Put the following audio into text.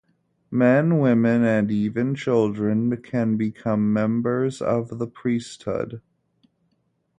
Men, women, and even children can become members of the priesthood.